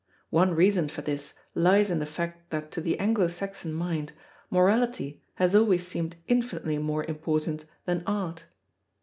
One reason for this lies in the fact that to the Anglo Saxon mind, Morality has always seemed infinitely more important than Art.